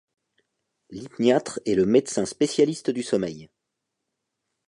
L’hypniatre est le médecin spécialiste du sommeil.